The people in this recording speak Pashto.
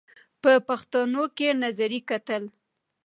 په پوښتونکي نظر یې کتل !